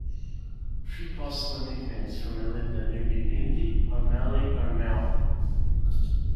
Three possible nicknames for Melinda may be "Mindy" or "Meli" or "Mel".